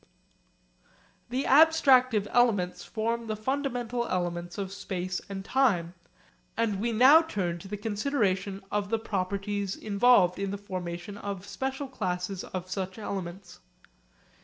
The abstractive elements form the fundamental elements of space and time, and we now turn to the consideration of the properties involved in the formation of special classes of such elements.